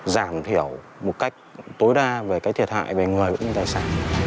giảm thiểu một cách tối đa về cái thiệt hại về người và những tài sản